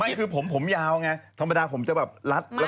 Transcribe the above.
นี่คือผมผมยาวไงธรรมดาผมจะแบบรัด